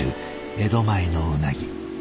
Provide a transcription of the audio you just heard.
江戸前のうなぎ。